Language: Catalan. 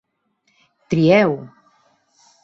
Trieu!